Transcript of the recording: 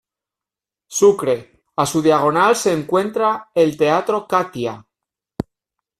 Sucre, a su diagonal se encuentra el Teatro Catia.